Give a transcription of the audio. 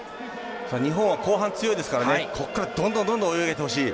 日本は後半強いですからここから、どんどんどんどん泳いでいってほしい。